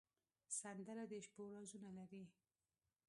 سندره د شپو رازونه لري